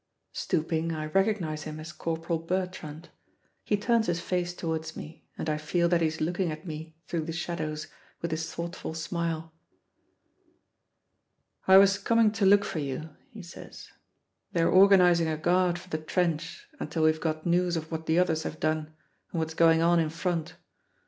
Stooping, I recognize him as Corporal Bertrand. He turns his face towards me, and I feel that he is looking at me through the shadows with his thoughtful smile. "I was coming to look for you," he says; "they're organizing a guard for the trench until we've got news of what the others have done and what's going on in front.